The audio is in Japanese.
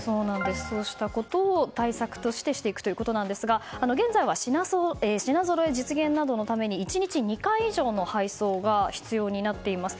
そうしたことを、対策としてしていくということですが現在は品ぞろえ実現などのために１日２回以上の配送が必要になっています。